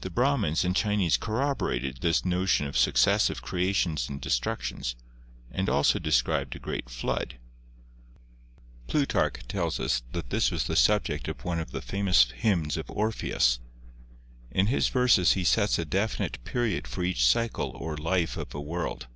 The Brahmins and Chinese corroborated this notion of successive creations and destructions and also described a great flood. Plutarch tells us that this was the subject THE ANCIENT COSMOGONIES 5 of one of the famous hymns of Orpheus. In his verses he sets a definite period for each cycle or life of a world.